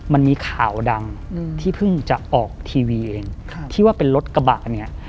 มันมีข่าวดังที่เพิ่งจะออกทีวีเองครับที่ว่าเป็นรถกระบะเนี่ย